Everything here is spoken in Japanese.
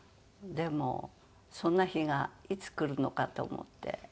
でもうそんな日がいつ来るのかと思って。